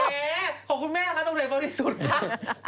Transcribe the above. ขอบคุณแม่ค่ะตรงไหนบริสุทธิ์ค่ะ